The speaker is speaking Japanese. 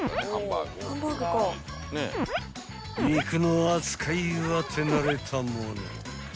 ［肉の扱いは手慣れたもの］